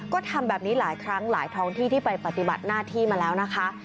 ก็ทำแบบนี้หลายครั้งหลายท้องที่ที่ไปปฏิบัติหน้าที่มาแล้วนะคะ